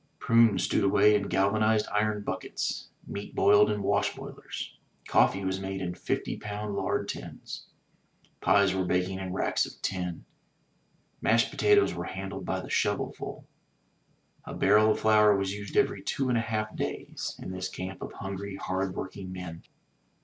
Prunes stewed away in galvanized iron buckets; meat boiled in washboilers; coffee was made in fifty pound lard tins; pies were baking in racks of ten; mashed potatoes were handled by the shovelful; a barrel of flour was used every two and a half days, in this camp of hungry hard working men.